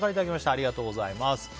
ありがとうございます。